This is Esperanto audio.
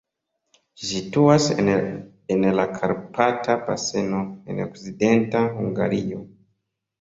Ĝi situas en la Karpata baseno, en Okcidenta Hungario.